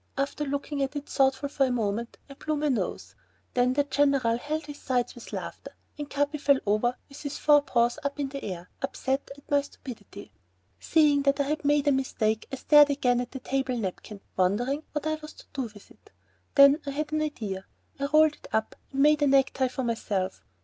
After looking at it thoughtfully for a moment, I blew my nose. Then the General held his sides with laughter, and Capi fell over with his four paws up in the air, upset at my stupidity. Seeing that I had made a mistake, I stared again at the table napkin, wondering what I was to do with it. Then I had an idea. I rolled it up and made a necktie for myself.